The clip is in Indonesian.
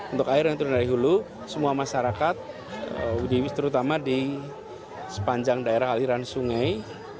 untuk air yang turun dari hulu semua masyarakat terutama di sepanjang daerah aliran sungai